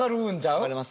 わかります。